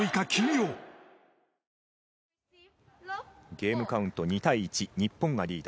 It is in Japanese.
ゲームカウント２対１日本がリード。